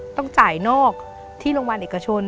ต้องจ่ายนอกที่โรงพยาบาลเอกชน